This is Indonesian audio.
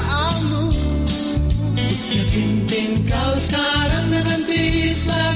dia bintin kau sekarang dan binti islam